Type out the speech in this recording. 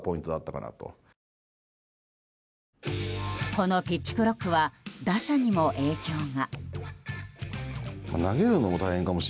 このピッチクロックは打者にも影響が。